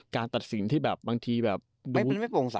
การตัดสินที่แบบบางทีดู